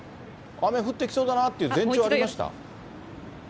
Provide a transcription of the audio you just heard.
雨降ってきそうだなっていうような前兆ありました？